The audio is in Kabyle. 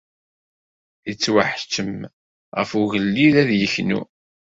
Yettwaḥettem Ɣef Ugellid ad yeknu.